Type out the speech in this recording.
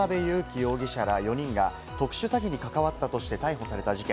容疑者ら４人が特殊詐欺に関わったとして逮捕された事件。